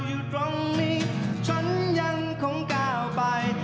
อยู่ตรงนี้ฉันยังคงก้าวไป